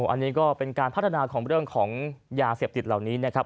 อันนี้ก็เป็นการพัฒนาของเรื่องของยาเสพติดเหล่านี้นะครับ